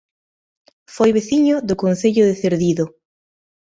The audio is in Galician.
Foi veciño do Concello de Cerdido